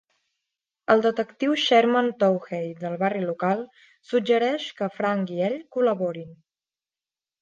El detectiu Sherman Touhey del barri local suggereix que Frank i ell col·laborin.